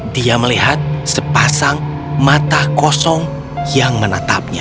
dia melihat sepasang mata kosong yang menatapnya